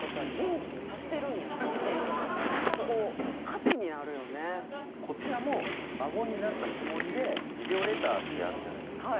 確実にこのこちらも孫になったつもりでビデオレターってあるじゃないですか。